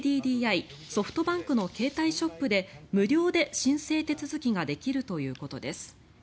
ソフトバンクの携帯ショップで無料で申請手続きができるということです。